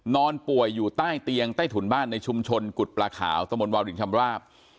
นอนป่วยอยู่ใต้เตียงใต้ถุนบ้านในชุมชนกุฎปลาขาวตะมนตวาลินชำราบ